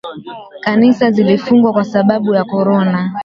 Kanisa zilifungwa kwa sababu ya Corona.